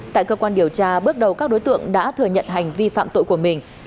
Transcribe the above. tại cơ quan điều tra bước đầu các đối tượng đã thừa nhận hành vi phạm tội của mình